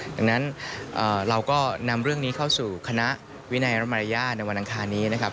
ดังนั้นเราก็นำเรื่องนี้เข้าสู่คณะวินัยและมารยาทในวันอังคารนี้นะครับ